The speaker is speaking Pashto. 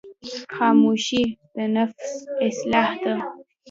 خاموشي، د نفس اصلاح ده.